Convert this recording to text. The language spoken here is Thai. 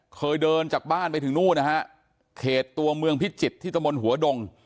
เคยเดินจากบ้านไปถึงนู่นนะฮะเขตตัวเมืองพิจิตรที่ตะมนต์หัวดง